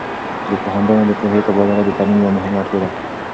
د پوهاندانو د پوهې تبادله د تعلیم یوه مهمه اړتیا ده.